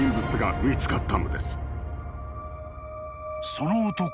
［その男は］